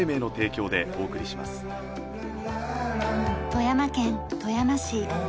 富山県富山市。